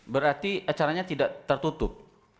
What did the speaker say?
berarti acaranya tidak tertutup